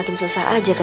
ngelakar aja kok